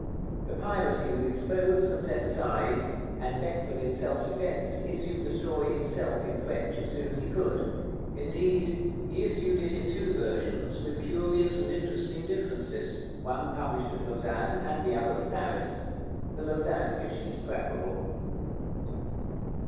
The piracy was exposed and set aside, and Beckford in self defense issued the story himself in French as soon as he could; indeed, he issued it in two versions with curious and interesting differences, one published at Lausanne and the other at Paris. The Lausanne edition is preferable.